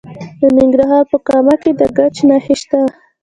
د ننګرهار په کامه کې د ګچ نښې شته.